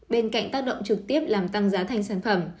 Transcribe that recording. bên cạnh tác động trực tiếp làm tăng giá thành sản phẩm